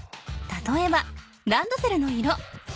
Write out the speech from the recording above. たとえばランドセルの色。